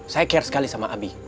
saya care sekali sama abi